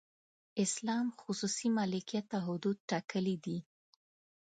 اسلام خصوصي ملکیت ته حدود ټاکلي دي.